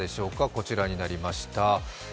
こちらになりました。